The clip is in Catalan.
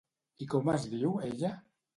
I com es diu ella?